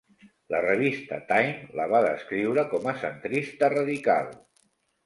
La revista "Time" la va descriure com a centrista radical.